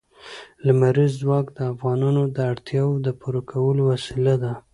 لمریز ځواک د افغانانو د اړتیاوو د پوره کولو وسیله ده.